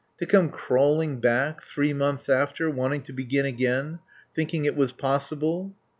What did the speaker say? To come crawling back, three months after, wanting to begin again. Thinking it was possible.